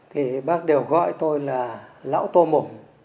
thì bác đều gọi tôi là lão tô mùng